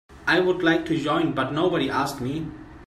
I'd like to join but nobody asked me.